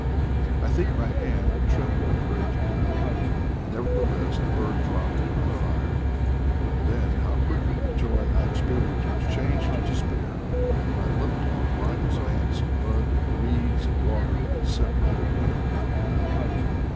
I think my hand trembled a great deal; neverthe less, the bird dropped when I fired; and then how quickly the joy I experienced was changed to despair when I looked on the wide expanse of mud, reeds and water that separated him from me